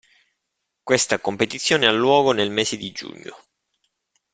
Questa competizione ha luogo nel mese di giugno.